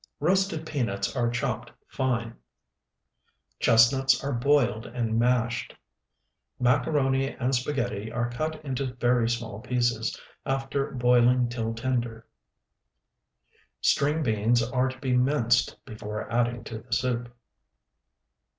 Roasted peanuts are chopped fine; chestnuts are boiled and mashed; macaroni and spaghetti are cut into very small pieces, after boiling till tender. String beans are to be minced before adding to the soup.